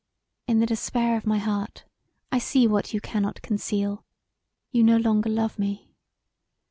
In the despair of my heart I see what you cannot conceal: you no longer love me.